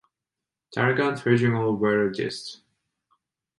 Tarrant Regional Water Dist.